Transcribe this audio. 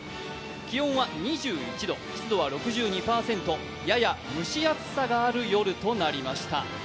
気温は２１度、湿度は６２％、やや蒸し暑さがある夜となりました。